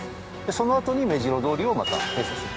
そのあとに目白通りをまた閉鎖する。